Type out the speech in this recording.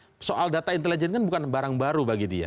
jadi soal data intelijen kan bukan barang baru bagi kita